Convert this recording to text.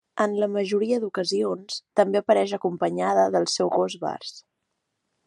En la majoria d'ocasions, també apareix acompanyada del seu gos Bars.